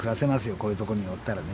こういうとこにおったらね。